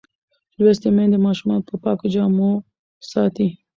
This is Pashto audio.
لوستې میندې ماشومان په پاکو جامو ساتي.